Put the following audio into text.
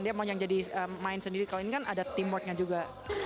dia mau yang jadi main sendiri kalau ini kan ada teamworknya juga